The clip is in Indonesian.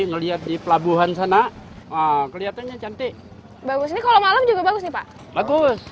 ngelihat di pelabuhan sana kelihatannya cantik bagus ini kalau malam juga bagus nih pak bagus